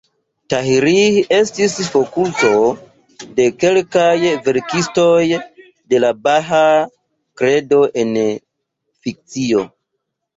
Tahirih estis fokuso de kelkaj verkistoj de la Bahaa Kredo en fikcio.